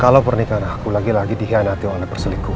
kalau pernikahan aku lagi lagi dihianati oleh perselikuan